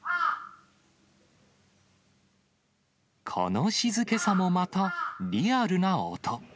この静けさもまた、リアルな音。